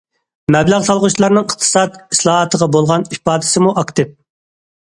مەبلەغ سالغۇچىلارنىڭ ئىقتىساد ئىسلاھاتقا بولغان ئىپادىسىمۇ ئاكتىپ.